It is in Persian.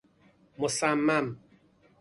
مصمم